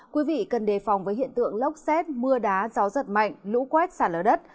quý vị cần đề phòng với hiện tượng lốc xét mưa đá gió giật mạnh lũ quét xả lở đất